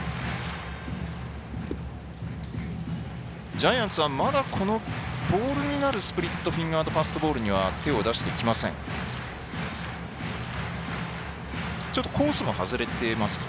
ジャイアンツはまだこのボールになるスプリットフィンガードファストボールには手を出してきません。